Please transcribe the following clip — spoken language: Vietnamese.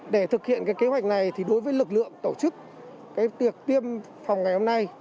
để thực hiện kế hoạch này đối với lực lượng tổ chức tiêm phòng ngày hôm nay